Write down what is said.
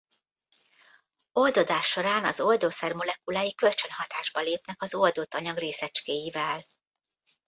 Oldódás során az oldószer molekulái kölcsönhatásba lépnek az oldott anyag részecskéivel.